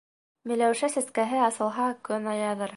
Миләүшә сәскәһе асылһа, көн аяҙыр.